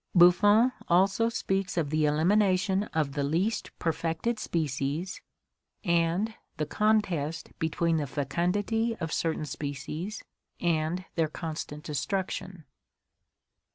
Buffon also speaks of the elimination of the least perfected species and the contest between the fecundity of certain species and their constant destruction.